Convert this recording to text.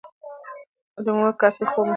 د مور کافي خوب مهم دی.